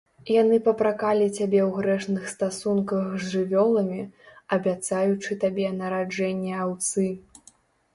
Яны папракалі цябе ў грэшных стасунках з жывёламі, абяцаючы табе нараджэнне аўцы.